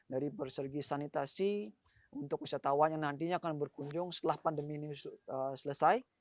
dari segi sanitasi untuk wisatawan yang nantinya akan berkunjung setelah pandemi ini selesai